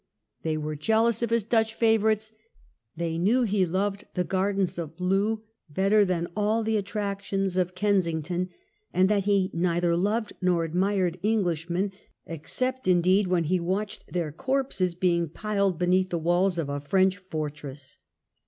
They were jealous of his Dutch favourites ; they knew he loved the gardens of Loo better than all the attractions of Kensington, and that he neither loved nor admired Englishmen, except indeed when he watched their corpses being piled beneath the walls of a French fortress.